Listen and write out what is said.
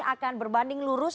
akan berbanding lurus